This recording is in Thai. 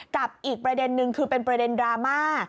กับอีกประเด็นนึงคือเป็นประเด็นดราม่า